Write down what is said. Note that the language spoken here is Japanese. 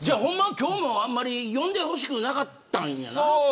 今日も、あんまり呼んでほしくなかったんやない。